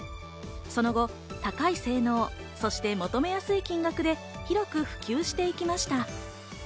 その後、高い性能をそして求めやすい金額で広く普及していきました。